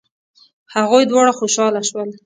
هغوی دواړه خوشحاله شول.